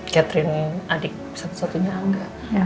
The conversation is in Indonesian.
catering adik satu satunya angga